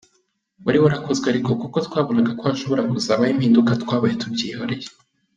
Wari warakozwe ariko kuko twabonaga ko hashobora kuzabaho impinduka twabaye tubyihoreye.